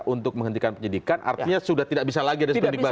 untuk menghentikan penyidikan artinya sudah tidak bisa lagi ada seperindik baru